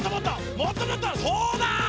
そうだ！